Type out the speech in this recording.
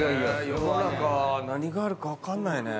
世の中何があるか分かんないね。